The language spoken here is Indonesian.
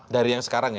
dari yang sekarang ya